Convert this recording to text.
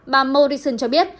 bà morrison cho biết